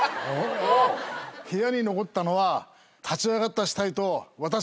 部屋に残ったのは立ち上がった死体と私だけ。